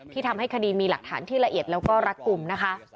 ทำให้คดีมีหลักฐานที่ละเอียดแล้วก็รักกลุ่มนะคะ